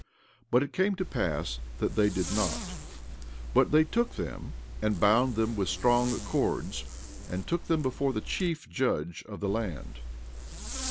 14:4 But it came to pass that they did not; but they took them and bound them with strong cords, and took them before the chief judge of the land.